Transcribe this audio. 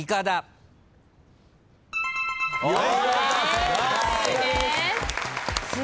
正解です。